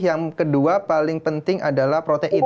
yang kedua paling penting adalah protein